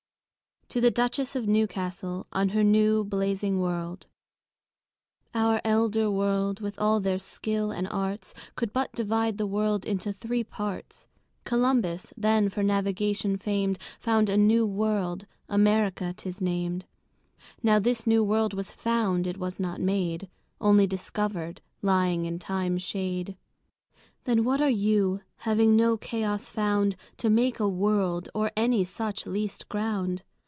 To The Duchesse of Newcastle, On Her New Blazing World. Our Elder World, with all their Skill and Arts, Could but divide the World into three Parts: Columbus, then for Navigation fam'd, Found a new World, America 'tis nam'd; Now this new World was found, it was not made, Onely discovered, lying in Time's shade. Then what are You, having no Chaos found To make a World, or any such least ground?